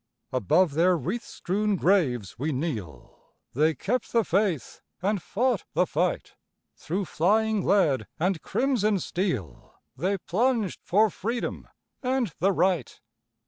Above their wreath strewn graves we kneel, They kept the faith and fought the fight. Through flying lead and crimson steel They plunged for Freedom and the Right.